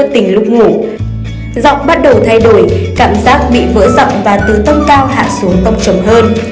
tình lúc ngủ giọng bắt đầu thay đổi cảm giác bị vỡ rộng và tư tâm cao hạ xuống tông trầm hơn